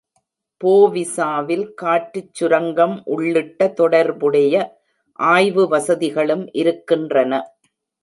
போவிசாவில் காற்றுச் சுரங்கம் உள்ளிட்ட தொடர்புடைய ஆய்வு வசதிகளும் இருக்கின்றன.